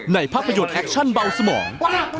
ภาพยนตร์แอคชั่นเบาสมอง